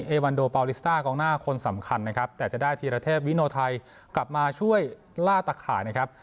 เอวันโดปาริสต้ากองหน้าคนสำคัญนะครับแต่จะได้ธีรเทพวิโนไทยกลับมาช่วยล่าตะข่ายนะครับ